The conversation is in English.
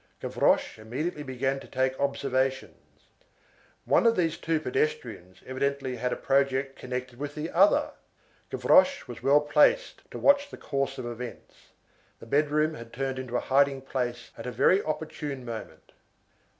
Gavroche immediately began to take observations. One of these two pedestrians evidently had a project connected with the other. Gavroche was well placed to watch the course of events. The bedroom had turned into a hiding place at a very opportune moment.